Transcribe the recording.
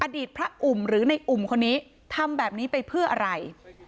อดีตพระอุ่มหรือในอุ่มคนนี้ทำแบบนี้ไปเพื่ออะไร